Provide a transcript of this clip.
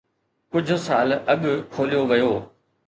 ڪجھ سال اڳ کوليو ويو